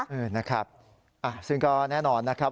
เออนะครับซึ่งก็แน่นอนนะครับ